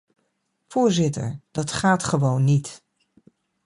Voorzitter, dat gaat gewoon niet!